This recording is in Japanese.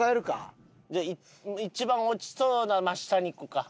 一番落ちそうな真下に行くか。